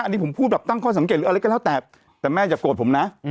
อันนี้ผมพูดแบบตั้งข้อสังเกตหรืออะไรก็แล้วแต่แต่แม่อย่าโกรธผมนะ